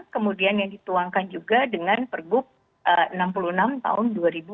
kemudian yang dituangkan juga dengan pergub enam puluh enam tahun dua ribu dua puluh